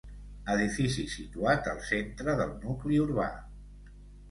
Edifici situat al centre del nucli urbà.